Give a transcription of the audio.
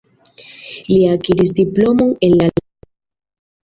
Li akiris diplomon en la lasta urbo.